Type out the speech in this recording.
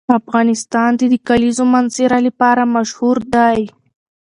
افغانستان د د کلیزو منظره لپاره مشهور دی.